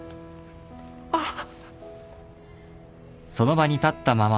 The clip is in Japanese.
あっ。